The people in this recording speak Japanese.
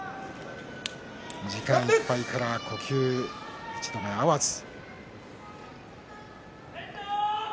時間いっぱいから呼吸、一度目、合わず。